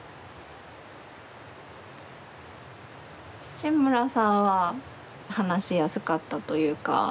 西村さんは話しやすかったというか。